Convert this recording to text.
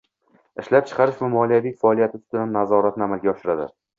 ishlab chiqarish va moliyaviy faoliyati ustidan nazoratni amalga oshiradi;